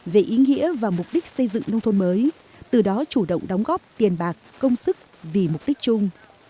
về ý nghĩa và mục đích xây dựng nông thôn mới từ đó chủ động đóng góp tiền bạc công sức vì mục đích chung